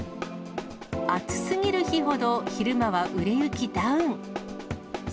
暑すぎる日ほど、昼間は売れ行きダウン。